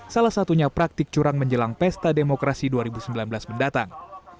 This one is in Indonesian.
salah satunya praktik curang menjelang pesta demokrasi dua ribu sembilan belas mendatang